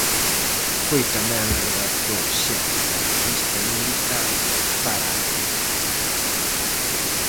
Foi tamén redactor xefe da revista militar Parade.